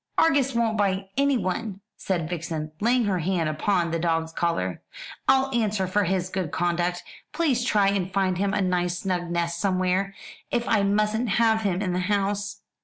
"Argus won't bite anyone," said Vixen, laying her hand upon the dog's collar, "I'll answer for his good conduct. Please try and find him a nice snug nest somewhere if I mustn't have him in the house."